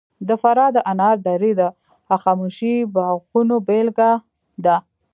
د فراه د انار درې د هخامنشي باغونو بېلګه ده